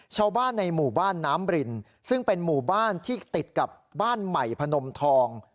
ชาวบ้านในหมู่บ้านน้ำรินซึ่งเป็นหมู่บ้านที่ติดกับบ้านใหม่พนมทอง